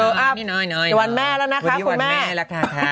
สักวันแม่แล้วนะครับคุณแม่